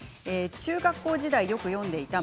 中学校時代よく読んでいた○